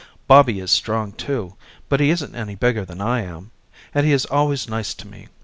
Bobby is strong too but he isn't any bigger than I am, and he is always nice to me.